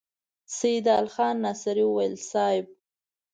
سيدال خان ناصري وويل: صېب!